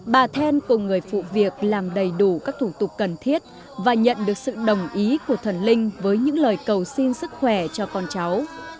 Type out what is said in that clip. bà then cùng người phụ việc làm đầy đủ các thủ tục cần thiết và nhận được sự đồng ý của thần linh với những lời cầu xin sức khỏe cho con cháu